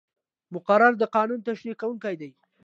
مقرره د قانون تشریح کوونکې ده.